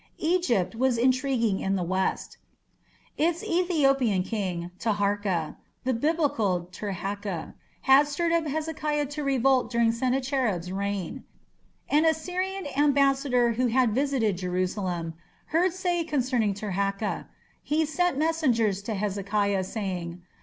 Egypt was intriguing in the west. Its Ethiopian king, Taharka (the Biblical Tirhakah) had stirred up Hezekiah to revolt during Sennacherib's reign. An Assyrian ambassador who had visited Jerusalem "heard say concerning Tirhakah.... He sent messengers to Hezekiah saying....